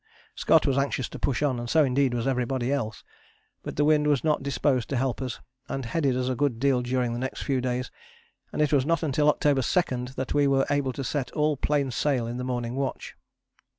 Scott was anxious to push on, and so indeed was everybody else. But the wind was not disposed to help us, and headed us a good deal during the next few days, and it was not until October 2 that we were able to set all plain sail in the morning watch.